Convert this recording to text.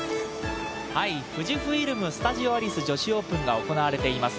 富士フイルム・スタジオアリス女子オープンが行われています。